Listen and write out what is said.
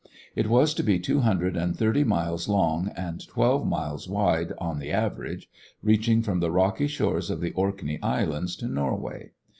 It was to be two hundred and thirty miles long and twelve miles wide on the average, reaching from the rocky shores of the Orkney Islands to Norway.